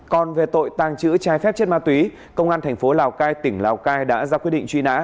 còn về tội tàng trữ trái phép chất ma túy công an thành phố lào cai tỉnh lào cai đã ra quyết định truy nã